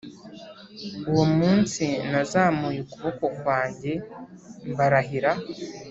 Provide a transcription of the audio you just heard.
Uwo munsi nazamuye ukuboko kwanjye mbarahira